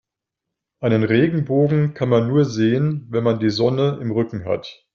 Einen Regenbogen kann man nur sehen, wenn man die Sonne im Rücken hat.